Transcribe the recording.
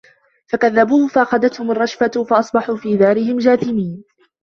فَكَذَّبوهُ فَأَخَذَتهُمُ الرَّجفَةُ فَأَصبَحوا في دارِهِم جاثِمينَ